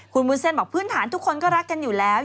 คุณวุ้นเส้นบอกพื้นฐานทุกคนก็รักกันอยู่แล้ว